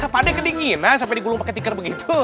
pak ade kedinginan sampai digulung pakai tikar begitu